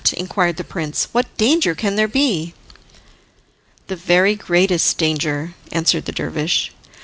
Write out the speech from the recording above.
inquired the prince. "What danger can there be?" "The very greatest danger," answered the dervish.